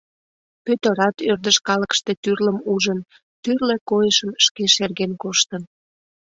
Пӧтырат ӧрдыж калыкыште тӱрлым ужын, тӱрлӧ койышым шке шерген коштын.